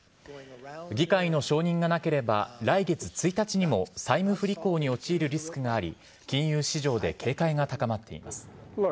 議会の承認がなければ来月１日にも債務不履行に陥るリスクがあり、金融市場で警戒が高まっています。